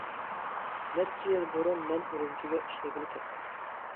نەچچە يىل بۇرۇن مەن ئۈرۈمچىگە ئىشلىگىلى كەتتىم.